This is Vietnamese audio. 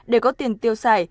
để có tiền tiêu xài